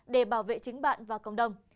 để bảo vệ chính bạn và cộng đồng